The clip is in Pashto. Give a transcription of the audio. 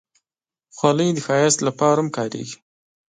خولۍ د ښایست لپاره هم کارېږي.